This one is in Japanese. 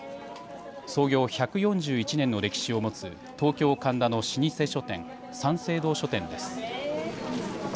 創業１４１年の歴史を持つ東京・神田の老舗書店三省堂書店です。